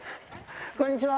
こんにちは。